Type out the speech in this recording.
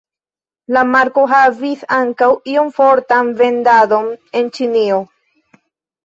La marko havis ankaŭ iom fortan vendadon en Ĉinio.